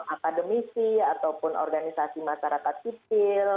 akademisi ataupun organisasi masyarakat sipil